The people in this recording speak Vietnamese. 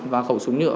và khẩu súng nữa